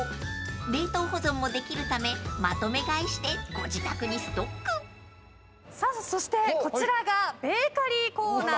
［冷凍保存もできるためまとめ買いしてご自宅にストック］さあそしてこちらがベーカリーコーナーです。